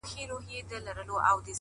اوس له خپل ځان څخه پردى يمه زه~